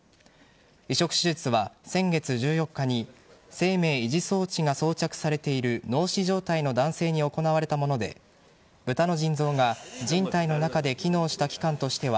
移植手術は先月１４日に生命維持装置が装着されている脳死状態の男性に行われたもので豚の腎臓が人体の中で機能した期間としては